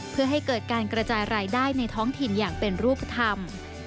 เพื่อให้เกิดการกระจายรายได้ในท้องถิ่นอย่างเป็นรูปธรรม